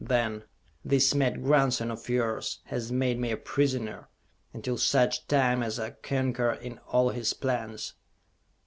Then: "This mad grandson of yours has made me a prisoner, until such time as I concur in all his plans!"